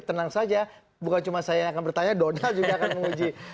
tenang saja bukan cuma saya yang akan bertanya donald juga akan menguji